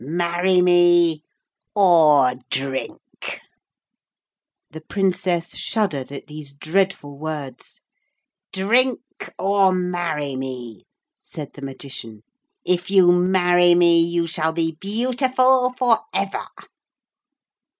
Marry me or drink ' The Princess shuddered at these dreadful words. 'Drink, or marry me,' said the Magician. 'If you marry me you shall be beautiful for ever.'